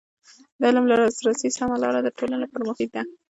د علم د لاسرسي سمه لاره د ټولنې لپاره مفید ده.